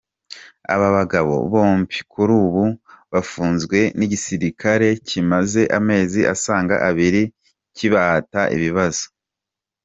Aba bagabo bombi kuri ubu bafunzwe n’igisirikare kimaze amezi asaga abiri kibahata ibibazo.